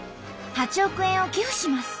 「８億円を寄付します！！